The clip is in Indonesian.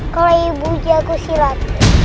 kalau ibu jago silat